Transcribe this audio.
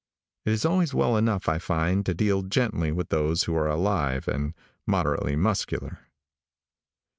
It is always well enough, I find, to deal gently will those who are alive and moderately muscular.